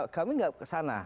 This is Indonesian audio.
kami tidak ke sana